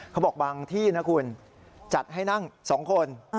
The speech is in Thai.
เขาบอกบางที่นะคุณจัดให้นั่ง๒คน